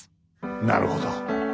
なるほど。